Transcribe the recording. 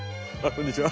こんにちは。